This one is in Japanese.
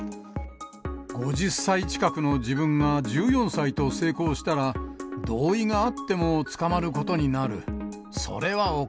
５０歳近くの自分が１４歳と性交したら、同意があっても捕まることになる。